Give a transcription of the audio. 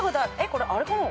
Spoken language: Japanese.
これあれかな。